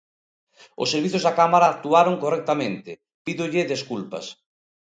Os servizos da Cámara actuaron correctamente, pídolle desculpas.